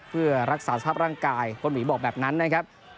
เพื่อรักษาสภาพร่างกายคุณหมีบอกแบบนั้นนะครับ